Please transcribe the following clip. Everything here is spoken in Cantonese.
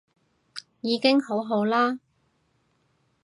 已經好好啦